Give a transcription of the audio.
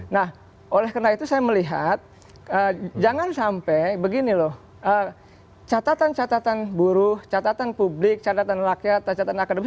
nah oleh karena itu saya melihat jangan sampai begini loh catatan catatan buruh catatan publik catatan rakyat catatan akademis